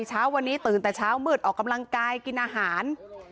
เช้าวันนี้ตื่นแต่เช้ามืดออกกำลังกายกินอาหาร